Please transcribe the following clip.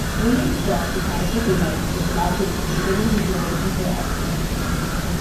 Williams brought the character to life with Morgan retaining his role as her husband.